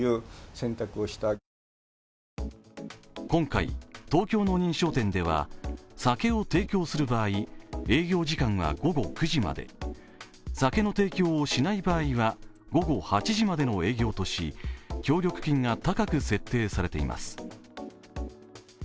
今回、東京の認証店では酒を提供する場合、営業時間は午後９時まで、酒の提供をしない場合は午後８時までの営業とし、協力金が高く設定されています。